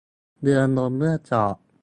เรือล่มเมื่อจอด